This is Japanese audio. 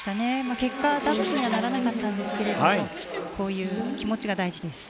結果、ダブルにはならなかったんですがこういう気持ちが大事です。